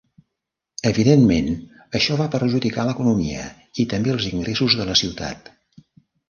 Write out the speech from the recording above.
Evidentment, això va perjudicar l'economia i també els ingressos de la ciutat.